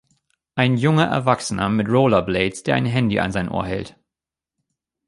Ein junger Erwachsener mit Rollerblades, der ein Handy an sein Ohr hält.